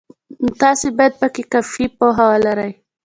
نو تاسې باید پکې کافي پوهه ولرئ.